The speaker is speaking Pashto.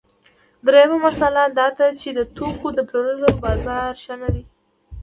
درېیمه مسئله دا ده چې د توکو د پلورلو بازار ښه نه دی